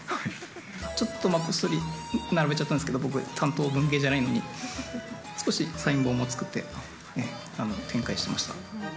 ちょっとまあ、こっそり並べちゃったんですけど、僕、担当が文芸じゃないのに、少しサイン本を作って、展開していました。